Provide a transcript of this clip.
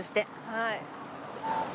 はい。